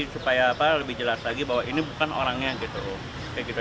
supaya lebih jelas lagi bahwa ini bukan orangnya gitu